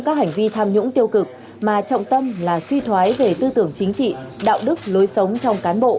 các hành vi tham nhũng tiêu cực mà trọng tâm là suy thoái về tư tưởng chính trị đạo đức lối sống trong cán bộ